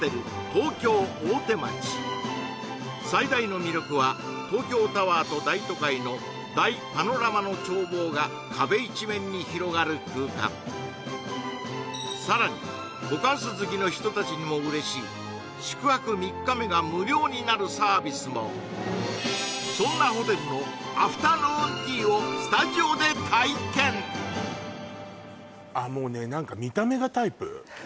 東京大手町最大の魅力は東京タワーと大都会の大パノラマの眺望が壁一面に広がる空間さらにホカンス好きの人達にも嬉しい宿泊３日目が無料になるサービスもそんなホテルのアフタヌーンティーをスタジオで体験あ